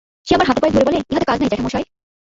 সে আমার হাতে পায়ে ধরে, বলে, ইহাতে কাজ নাই, জ্যাঠামশায়।